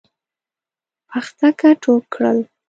پختکه ټوپ کړل.